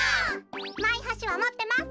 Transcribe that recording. マイはしはもってます。